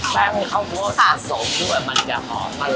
แป้งข้าวโพดผสมด้วยมันจะหอบอร่อยก่อนอ๋อ